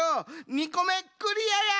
２こめクリアや！